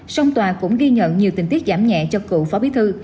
song tòa cũng ghi nhận nhiều tình tiết giảm nhẹ cho cựu phó bí thư